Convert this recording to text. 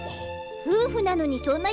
夫婦なのにそんな呼び方